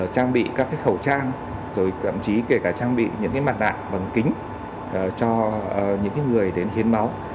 trang bị các khẩu trang rồi thậm chí kể cả trang bị những mặt nạ bằng kính cho những người đến hiến máu